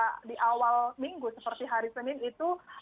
jadi kalau di awal minggu seperti hari senin itu